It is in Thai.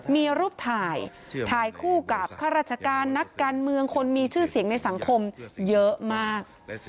มีรูปถ่ายถ่ายคู่กับข้าราชการนักการเมืองคนมีชื่อเสียงในสังคมเยอะมาก